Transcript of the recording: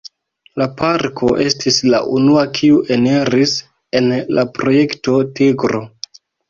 La parko estis la unua kiu eniris en la Projekto Tigro.